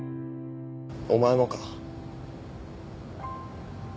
お前もか？